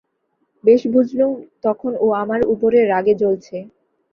বেশ বুঝলুম, তখন ও আমার উপরে রাগে জ্বলছে।